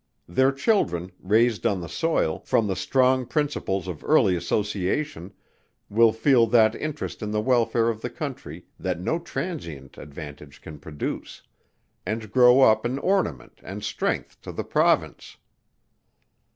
Their children, raised on the soil, from the strong principles of early association, will feel that interest in the welfare of the country, that no transient advantage can produce; and grow up an ornament and strength to the Province.